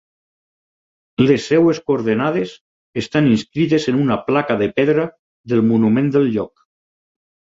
Les seues coordenades estan inscrites en una placa de pedra del monument del lloc.